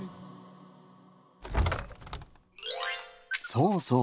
そうそう！